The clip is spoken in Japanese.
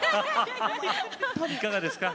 いかがですか？